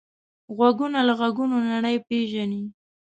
غوږونه له غږونو نړۍ پېژني